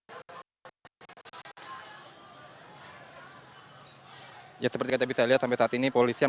jangan lupa untuk berlangganan